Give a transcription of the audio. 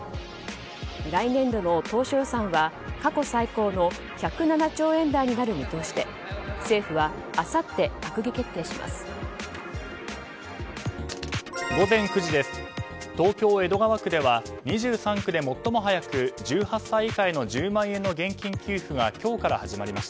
来年度の当初予算は過去最高の１０７兆円台になる見通しで政府はあさって閣議決定します。